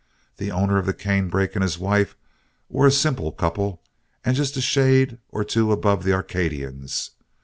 The owner of the cane brake and his wife were a simple couple, and just a shade or two above the Arcadians.